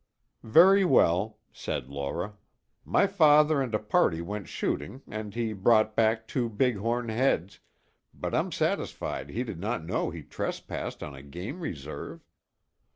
"Very well," said Laura. "My father and a party went shooting and he brought back two big horn heads, but I'm satisfied he did not know he trespassed on a game reserve."